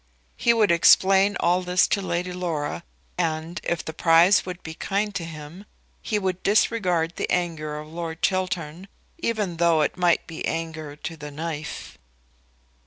He would explain all this to Lady Laura, and, if the prize would be kind to him, he would disregard the anger of Lord Chiltern, even though it might be anger to the knife.